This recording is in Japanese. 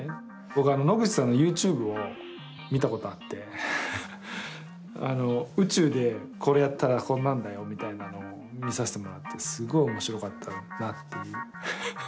僕野口さんのＹｏｕＴｕｂｅを見たことあって宇宙でこれやったらこんなんだよみたいなのを見させてもらってすごい面白かったなっていう。